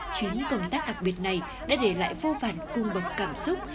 chuyến công tác đặc biệt này đã để lại vô phản cung bậc cảm xúc